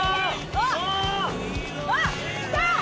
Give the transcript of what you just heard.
あっきた！